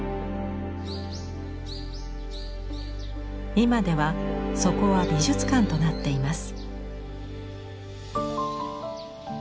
今ではそこは美術館となっています。